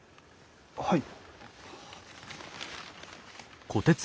はい。